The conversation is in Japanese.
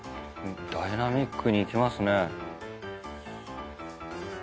ダイナミックにいきますね。